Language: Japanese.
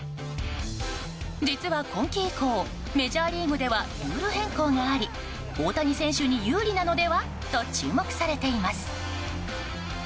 実は今季以降メジャーリーグではルール変更があり大谷選手に有利なのでは？と注目されています。